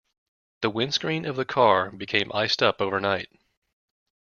The windscreen of the car became iced up overnight.